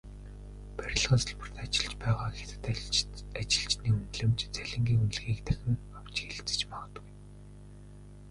Барилгын салбарт ажиллаж байгаа хятад ажилчны үнэлэмж, цалингийн үнэлгээг дахин авч хэлэлцэж магадгүй.